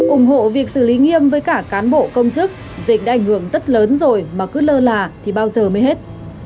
ủng hộ việc xử lý nghiêm với cả cán bộ công chức dịch đã ảnh hưởng rất lớn rồi mà cứ lơ là thì bao giờ mới hết